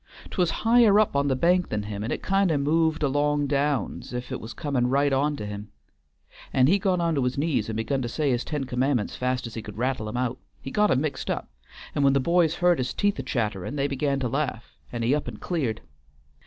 'T was higher up on the bank than him, and it kind of moved along down's if 't was coming right on to him, and he got on to his knees and begun to say his Ten Commandments fast's he could rattle 'em out. He got 'em mixed up, and when the boys heard his teeth a chattering, they began to laugh and he up an' cleared.